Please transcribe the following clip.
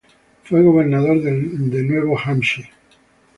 Fue Gobernador de Nuevo Hampshire.